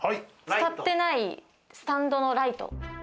使ってないスタンドのライト。